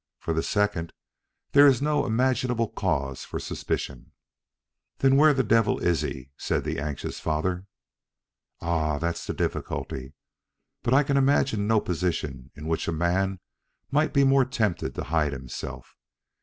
For the second there is no imaginable cause for suspicion." "Then where the devil is he?" said the anxious father. "Ah, that's the difficulty. But I can imagine no position in which a man might be more tempted to hide himself.